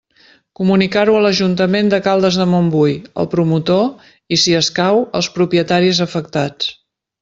Comunicar-ho a l'Ajuntament de Caldes de Montbui, al promotor i, si escau, als propietaris afectats.